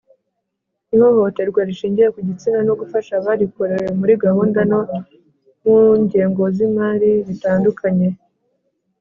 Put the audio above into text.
ihohoterwa rishingiye ku gitsina no gufasha abarikorewe muri gahunda no mu ngengo z imari bitandukanye